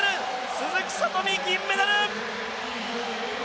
鈴木聡美、銀メダル！